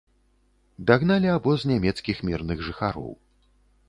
Дагналі абоз нямецкіх мірных жыхароў.